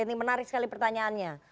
ini menarik sekali pertanyaannya